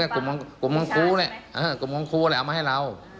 กลุ่มของครูแหละเออกลุ่มของครูแหละเอามาให้เรา